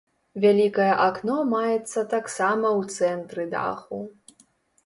Вялікае акно маецца таксама ў цэнтры даху.